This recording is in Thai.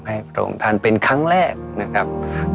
พระองค์ท่านเป็นครั้งแรกนะครับ